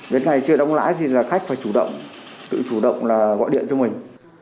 đến ngày chưa đóng lãi thì là khách phải chủ động tự chủ động là gọi điện cho mình